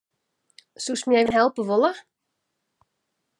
Soest my even helpe wolle?